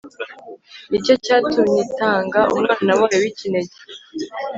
ni cyo cyatumyitang Umwana wayo wikinege